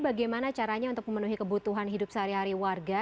bagaimana caranya untuk memenuhi kebutuhan hidup sehari hari warga